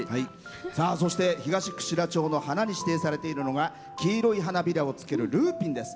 そして東串良町の花に指定されているのが黄色い花びらをつけるルーピンです。